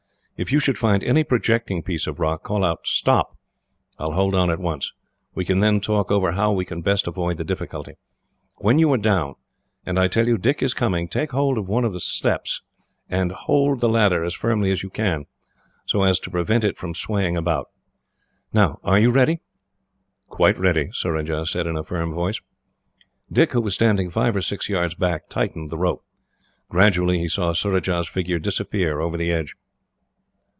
If you should find any projecting piece of rock, call out 'Stop!' I will hold on at once. We can then talk over how we can best avoid the difficulty. When you are down, and I tell you Dick is coming, take hold of one of the steps, and hold the ladder as firmly as you can, so as to prevent it from swaying about. "Now, are you ready?" "Quite ready," Surajah said, in a firm voice. Dick, who was standing five or six yards back, tightened the rope. Gradually he saw Surajah's figure disappear over the edge.